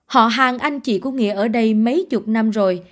họ hàng anh chị của nghĩa ở đây mấy chục năm rồi